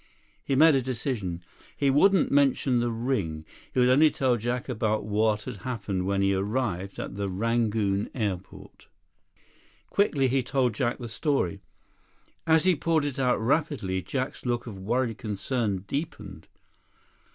He made a decision. He wouldn't mention the ring. He would only tell Jack about what had happened when he arrived at the Rangoon airport. 47 Quickly he told Jack the story. As he poured it out rapidly, Jack's look of worried concern deepened.